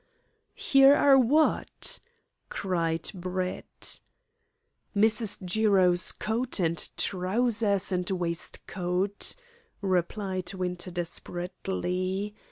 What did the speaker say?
"Here are what?" cried Brett. "Mrs. Jiro's coat, and trousers, and waistcoat," replied Winter desperately.